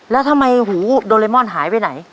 แล้วทำไมหูโดเรมอนหายไปไหน